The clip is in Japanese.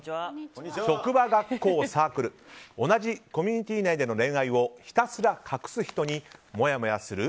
職場、学校、サークル同じコミュニティー内での恋愛をひたすら隠す人にもやもやする？